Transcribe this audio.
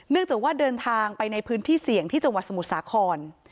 จากว่าเดินทางไปในพื้นที่เสี่ยงที่จังหวัดสมุทรสาคร